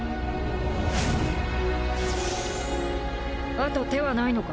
あと手はないのか？